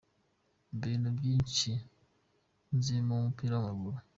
Nta bintu byinshi nzi mu mupira w’ amaguru”.